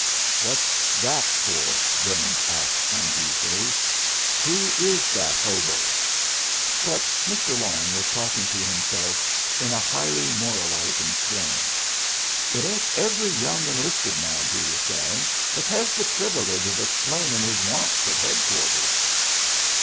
"What's that for?" Jones asked, uneasily. "Who is that hobo?" But Mr. Long was talking to himself in a highly moralizing strain. "It ain't every young enlisted man," he was saying, "ez hez th' privilege of explainin' his wants at headquarters."